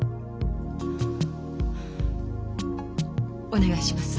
お願いします。